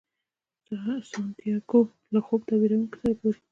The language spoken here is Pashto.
سانتیاګو له خوب تعبیرونکي سره ګوري.